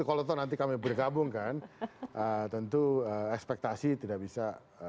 kalau nanti kami bergabung kan tentu ekspektasi tidak bisa